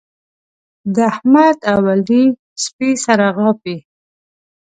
د احمد او علي سپي سره غاپي.